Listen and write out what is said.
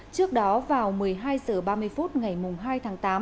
trước đó vào một mươi hai h ba mươi phút ngày hai tháng tám